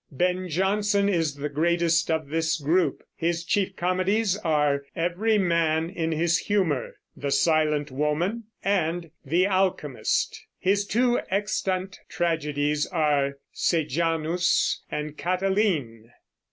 Ben Jonson is the greatest of this group. His chief comedies are "Every Man in His Humour," "The Silent Woman," and "The Alchemist"; his two extant tragedies are "Sejanus" and "Catiline."